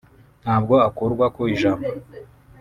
ntabwo akurwa ku ijambo